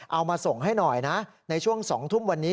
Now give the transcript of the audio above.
เอามาส่งให้หน่อยนะในช่วง๒ทุ่มวันนี้